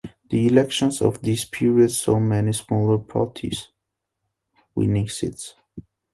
The elections of this period saw many smaller parties winning seats.